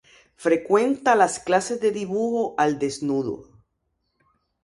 Frecuenta las clases de dibujo al desnudo.